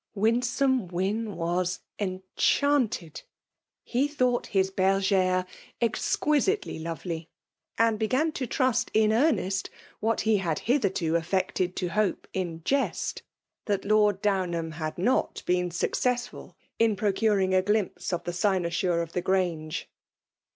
Winsome Wyn was enchanted !^ Ho thought his bergire exquisitely lorely ; Mid h^gan to trust in earnest, what he had hithertb affected to hope in jest, that Lord Downham had not been successM in procuring a glimpse of the cynosure of the Grange.